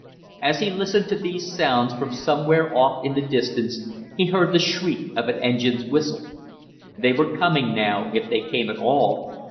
As he listened to these sounds, from somewhere off in the distance he heard the shriek of an engine's whistle. They were coming now if they came at all!